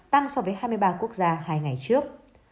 tăng so với hai mươi ba quốc gia hai ngày trước